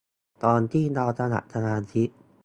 ตอนที่เราสมัครสมาชิก